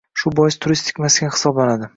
shu bois turistik maskan hisoblanadi.